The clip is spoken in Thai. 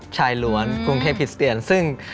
ชายร้วนภูเงียบภิษเตียน